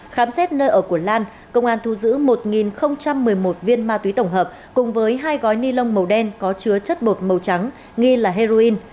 khám xét nơi ở của lan công an thu giữ một một mươi một viên ma túy tổng hợp cùng với hai gói ni lông màu đen có chứa chất bột màu trắng nghi là heroin